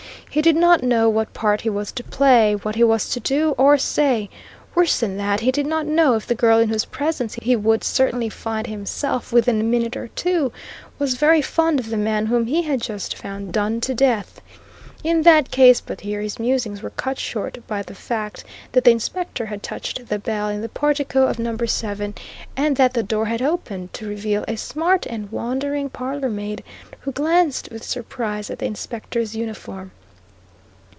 He did not know what part he was to play, what he was to do or say; worse than that, he did not know if the girl in whose presence he would certainly find himself within a minute or two was very fond of the man whom he had just found done to death. In that case but here his musings were cut short by the fact that the Inspector had touched the bell in the portico of number seven, and that the door had opened, to reveal a smart and wondering parlour maid, who glanced with surprise at the inspector's uniform.